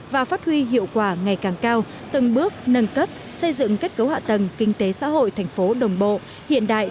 và phát huy hiệu quả ngày càng cao từng bước nâng cấp xây dựng kết cấu hạ tầng kinh tế xã hội thành phố đồng bộ hiện đại